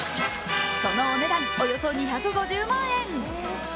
そのお値段およそ２５０万円。